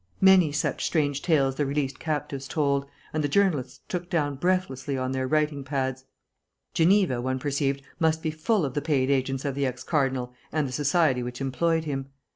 Many such strange tales the released captives told, and the journalists took down breathlessly on their writing pads. Geneva, one perceived, must be full of the paid agents of the ex cardinal and the society which employed him.